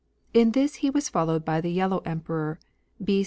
In this he was followed by the Yellow Emperor, B.